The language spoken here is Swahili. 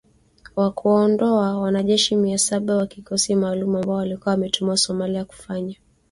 wa kuwaondoa wanajeshi mia saba wa kikosi maalum ambao walikuwa wametumwa Somalia kufanya